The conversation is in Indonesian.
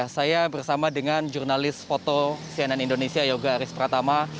saya bersama dengan jurnalis foto cnn indonesia yoga aris pratama